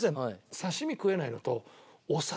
刺し身食えないのと。